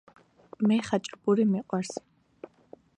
მე ხაჭაპური მიყვარს